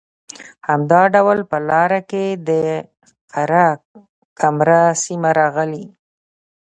همدا ډول په لاره کې د قره کمر سیمه راغلې